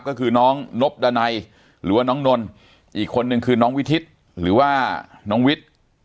ก็คือน้องนบดันัยหรือว่าน้องนนอีกคนนึงคือน้องวิทิศหรือว่าน้องวิทย์